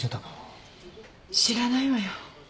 知らないわよ。